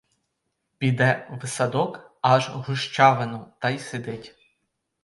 Піде в садок, аж у гущавину, та й сидить.